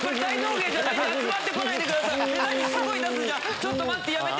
ちょっと待ってやめて！